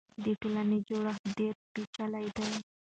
د ټولنې جوړښت ډېر پېچلی دی.